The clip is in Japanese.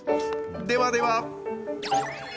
ではでは。